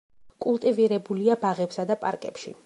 კულტივირებულია ბაღებსა და პარკებში.